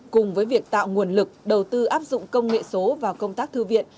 cùng với việc tạo nguồn lực đầu tư áp dụng công nghệ số vào công tác thư viện